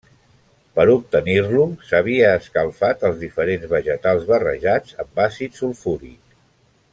Per obtenir-lo, s’havia escalfat els diferents vegetals barrejats amb àcid sulfúric.